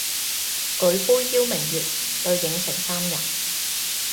舉杯邀明月，對影成三人